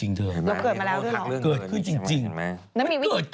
เห็นไหมหมอลักษณ์ทักเรื่องเกินจริงใช่ไหมเกิดขึ้นจริง